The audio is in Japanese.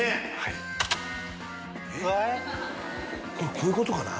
こういうことかな？